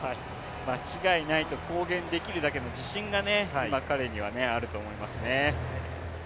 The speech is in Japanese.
間違いないと公言できるだけの自信が今、彼にはあると思いますね